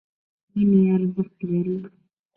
ونې ارزښت لري.